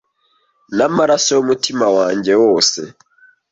namaraso yumutima wanjye wose